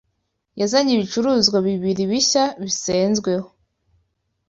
yazanye ibicuruzwa bibiri bishya bisenzweho